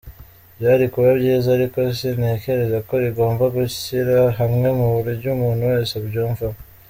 Byari kuba byiza…Ariko sintekereza ko rigomba gushyira hamwe mu buryo umuntu wese abyumvamo.